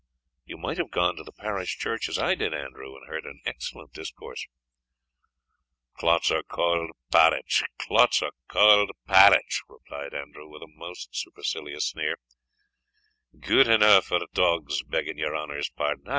"You might have gone to the parish church as I did, Andrew, and heard an excellent discourse." "Clauts o' cauld parritch clauts o' cauld parritch," replied Andrew, with a most supercilious sneer, "gude aneueh for dogs, begging your honour's pardon Ay!